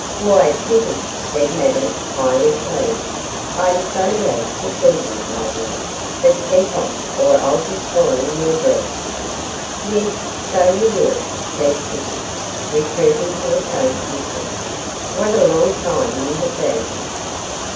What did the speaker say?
'Why, Kitty,' said Madame, highly pleased, 'I am so glad to see you, my dear; but keep off, or I'll be spoiling your dress.' 'Yes, so you will,' said Kitty, retreating to a safe distance; 'what a long time you have been.